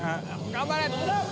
頑張れ！